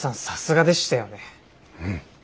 うん。